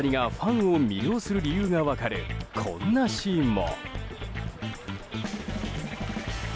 更に、大谷がファンを魅了する理由が分かるこんなシーンも。